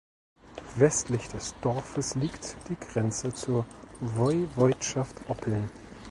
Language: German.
Westlich des Dorfes liegt die Grenze zur Woiwodschaft Oppeln.